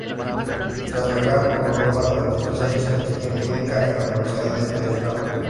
Tras viajar por Europa durante tres años, enseñó química en la universidad de Breslau.